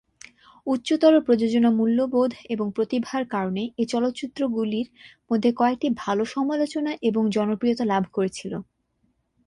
উচ্চতর প্রযোজনা মূল্যবোধ এবং প্রতিভার কারনে এই চলচ্চিত্রগুলির মধ্যে কয়েকটি ভালো সমালোচনা এবং জনপ্রিয়তা লাভ করেছিল।